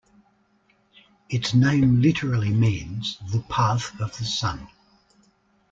Its name literally means "The Path of the Sun".